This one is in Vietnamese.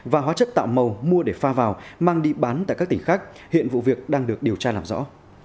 và hóa chất tạo màu mua để pha vào mang đi bán tại các tỉnh khác hiện vụ việc đang được điều tra làm rõ